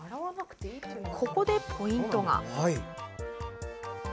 ここでポイント！